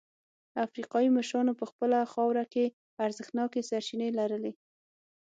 افریقايي مشرانو په خپله خاوره کې ارزښتناکې سرچینې لرلې.